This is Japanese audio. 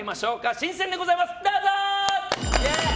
新鮮でございます、どうぞ。